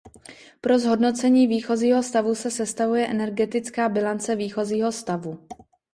Pro zhodnocení výchozího stavu se sestavuje energetická bilance výchozího stavu.